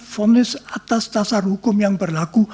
fonis atas dasar hukum yang berlaku